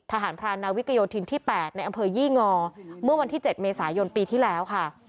พรานนาวิกโยธินที่๘ในอำเภอยี่งอเมื่อวันที่๗เมษายนปีที่แล้วค่ะ